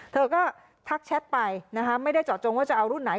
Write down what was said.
เธอก็ทักแชทไปนะคะไม่ได้เจาะจงว่าจะเอารุ่นไหน